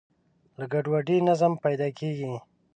له ګډوډۍ نظم پیدا کېږي.